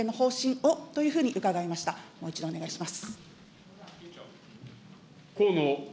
もう一度お願いします。